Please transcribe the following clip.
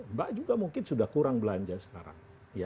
mbak juga mungkin sudah kurang belanja sekarang